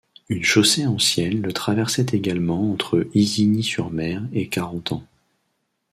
Une chaussée ancienne le traversait également entre Isigny-sur-Mer et Carentan.